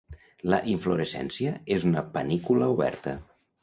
La inflorescència és una panícula oberta.